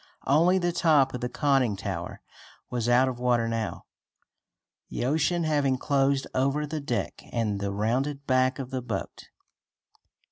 Only the top of the conning tower was out of water now, the ocean having closed over the deck and the rounded back of the boat.